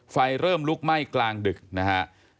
ไฟเริ่มลุกไหม้กลางดึกนะฮะ